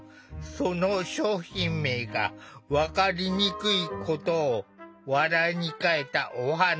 その商品名が分かりにくいことを笑いに変えたお話。